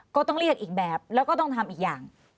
ก็ต้องเรียกอีกแบบแล้วก็ต้องทำอีกอย่าง